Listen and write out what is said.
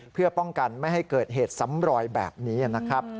เพื่อป้องกันไม่ให้เกิดเหตุซ้ำรอยแบบนี้นะครับ